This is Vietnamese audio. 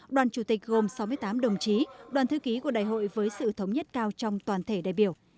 đoàn chủ tịch gồm sáu mươi tám đồng chí đoàn thư ký của đại hội với sự thống nhất cao trong toàn thể đại biểu